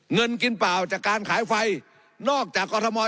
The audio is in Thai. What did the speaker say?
เงินกินเปล่าจากการขายไฟนอกจากกรทม